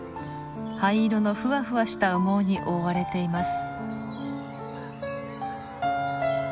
灰色のふわふわした羽毛に覆われています。